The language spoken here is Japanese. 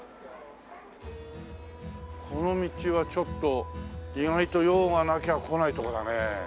この道はちょっと意外と用がなきゃ来ないとこだねえ。